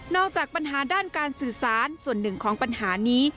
จากปัญหาด้านการสื่อสารส่วนหนึ่งของปัญหานี้